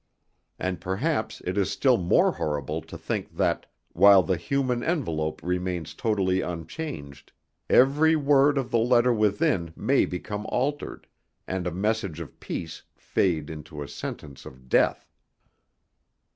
And perhaps it is still more horrible to think that, while the human envelope remains totally unchanged, every word of the letter within may become altered, and a message of peace fade into a sentence of death.